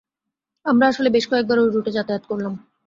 আমরা আসলে বেশ কয়েকবার ওই রুটে যাতায়াত করলাম।